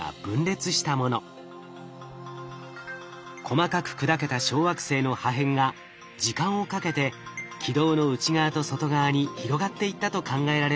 細かく砕けた小惑星の破片が時間をかけて軌道の内側と外側に広がっていったと考えられます。